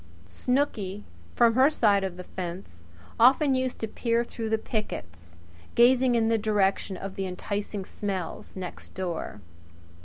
Snooky, from her side of the fence, often used to peer through the pickets, gazing in the direction of the enticing smells next door.